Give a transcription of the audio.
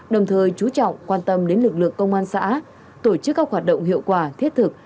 đồng thời chú trọng quan tâm đến lực lượng công an xã tổ chức các hoạt động hiệu quả thiết thực